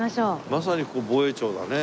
まさにここ防衛庁だね。